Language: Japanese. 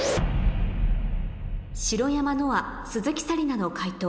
白山乃愛鈴木紗理奈の解答